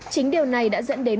chính điều này đã dẫn đến